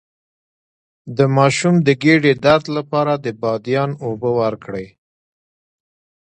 د ماشوم د ګیډې درد لپاره د بادیان اوبه ورکړئ